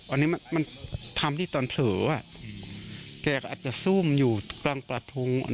อันนี้มันทำที่ตอนเผลอแกก็อาจจะซุ่มอยู่กลางกระทง